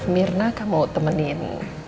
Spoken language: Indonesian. mirna kamu temenin